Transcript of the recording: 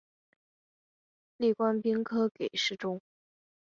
历官兵科给事中。